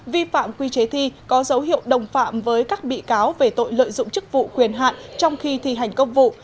vi phạm quy chế thi có dấu hiệu đồng phạm với các bị cáo về tội lợi dụng chức vụ quyền hạn trong khi thi hành công vụ